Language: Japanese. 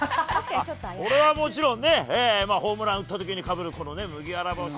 これはもちろんね、ホームラン打ったときにかぶる、このね、麦わら帽子。